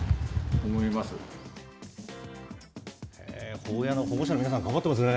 保谷の保護者の皆さん、頑張ってますね。